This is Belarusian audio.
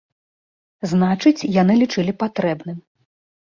Значыць, яны лічылі патрэбным.